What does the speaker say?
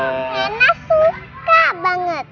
rena suka banget